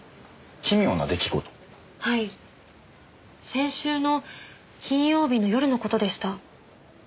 先週の金曜日の夜の事でした。